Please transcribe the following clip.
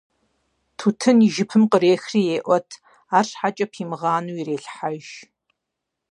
Тутын и жыпым кърехри еӀуэт, арщхьэкӀэ пимыгъанэу ирелъхьэж.